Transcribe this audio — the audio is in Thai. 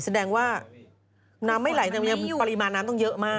แสดงว่าน้ำไม่ไหลแต่ปริมาณน้ำต้องเยอะมาก